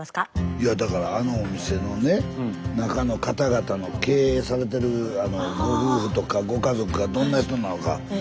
いやだからあのお店のね中の方々の経営されてるご夫婦とかご家族がどんな人なのかそれを聞いたんですよ。